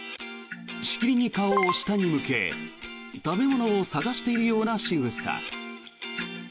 しきりに顔を下に向け食べ物を探しているようなしぐさ。